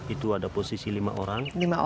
itu ada posisi lima orang